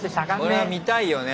これは見たいよね